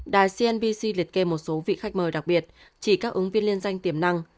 đài cnbc liệt kê một số vị khách mời đặc biệt chỉ các ứng viên liên danh tiềm năng